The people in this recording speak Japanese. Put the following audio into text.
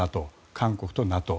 韓国とＮＡＴＯ